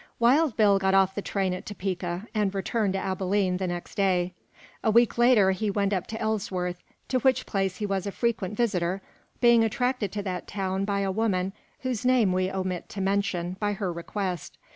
Wild Bill got off the train at Topeka, and returned to Abilene the next day. A week later he went up to Ellsworth, to which place he was a frequent visitor, being attracted to that town by a woman whose name we omit to mention, by her request.